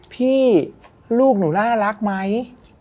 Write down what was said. พี่ลูกหนูน่ารักไหม